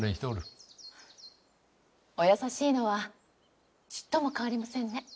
お優しいのはちっとも変わりませんね。